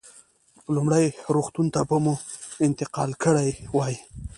لومړني روغتون ته به مو انتقال کړی وای.